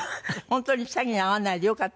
本当に詐欺に遭わないでよかったね。